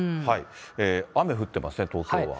雨降ってますね、東京は。